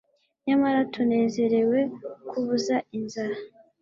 nyamara tunezerewe kuvuza inzara